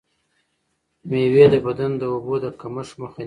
مېوې د بدن د اوبو د کمښت مخه نیسي.